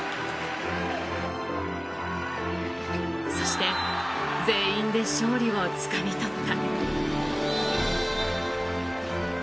そして、全員で勝利をつかみ取った。